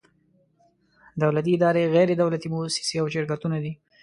دولتي ادارې، غیر دولتي مؤسسې او شرکتونه دي.